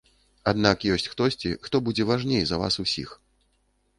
Аднак ёсць хтосьці, хто будзе важней за вас усіх.